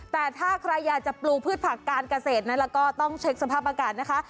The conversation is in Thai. แต่ถ้าใครอยากจะปลูกพืชผักการเกษตรนั้นเราก็ต้องเช็คสภาพอากาศนะคะ